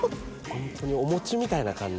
ホントにお餅みたいな感じ。